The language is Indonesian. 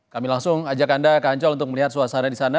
kami langsung ajak anda ke ancol untuk melihat suasana di sana